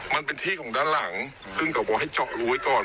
มันเป็นที่ของด้านหลังซึ่งเขาบอกให้เจาะรูไว้ก่อน